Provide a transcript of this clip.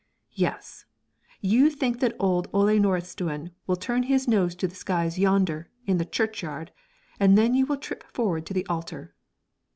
Yes, you think that old Ole Nordistuen will turn his nose to the skies yonder, in the churchyard, and then you will trip forward to the altar.